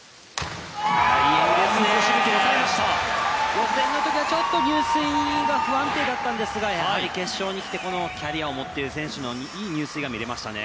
予選のときはちょっと入水が不安定だったんですがやはり決勝にきてこのキャリアを持っている選手のいい入水が見れましたね。